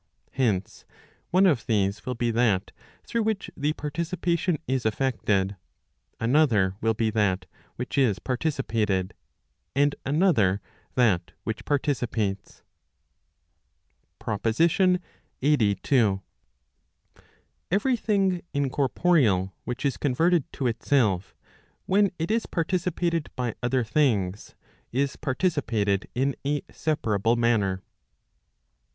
Hence, one of these will be that through which the participation is effected, another will be that which is participated, and another that which participates. PROPOSITION LXXXII. Every thing incorporeal', which is converted to itself, when it is parti¬ cipated by other things, is participated in a separable manner.